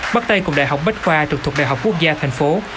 bắt tay cùng đại học bách khoa trực thuộc đại học quốc gia thành phố